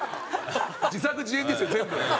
自作自演ですよ